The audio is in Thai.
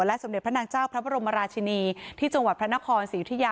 สมเด็จพระนางเจ้าพระบรมราชินีที่จังหวัดพระนครศรีอุทิยา